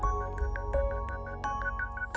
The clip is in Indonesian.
membatik dan memproduksi pakaian dengan pewarna alami